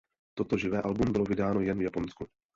Toto živé album bylo vydáno jen v Japonsku.